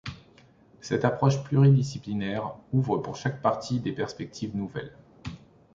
Cette approche pluridisciplinaire ouvre pour chaque parti des perspectives nouvelles.